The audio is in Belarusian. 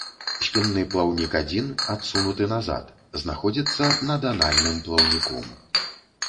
Спінны плаўнік адзін, адсунуты назад, знаходзіцца над анальным плаўніком.